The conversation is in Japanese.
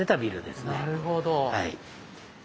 なるほど。